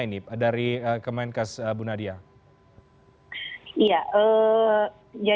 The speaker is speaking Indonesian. ini boleh diterima tadi ini masih ada ulang saja